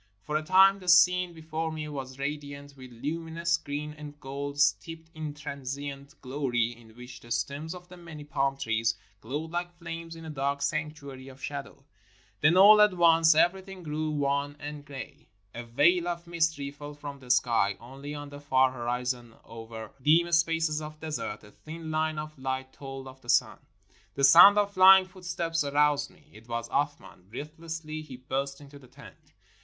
For a time the scene before me was radi ant with luminous green and gold, steeped in transient glory in which the stems of the many palm trees glowed like flames in a dark sanctuary of shadow. Then, all at 353 NORTHERN AFRICA once, everything grew wan and gray. A veil of mystery fell from the sky. Only on the far horizon over dim spaces of desert a thin line of light told of the sun. The sound of flying footsteps aroused me. It was Athman. Breathlessly he burst into the tent.